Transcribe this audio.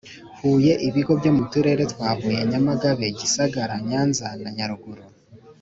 Huye ibigo byo mu turere twa huye nyamagabe gisagara nyanza na nyaruguru